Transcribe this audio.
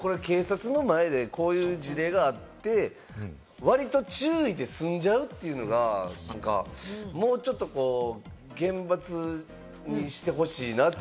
警察の前でこういう事例があって割と注意で済んじゃうっていうのが、もうちょっとこう、厳罰にしてほしいなって。